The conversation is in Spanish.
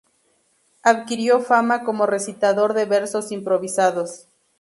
Adquirió fama como recitador de versos improvisados.